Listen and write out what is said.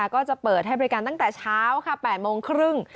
ก็จะเปิดให้บริการตั้งแต่เช้าค่ะ๘โมงครึ่ง